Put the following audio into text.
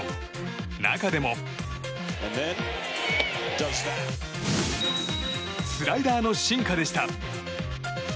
中でもスライダーの進化でした。